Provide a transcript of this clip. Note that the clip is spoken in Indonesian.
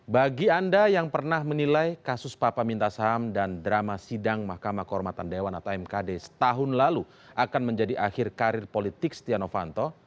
bagi anda yang pernah menilai kasus papa minta saham dan drama sidang mahkamah kehormatan dewan atau mkd setahun lalu akan menjadi akhir karir politik setia novanto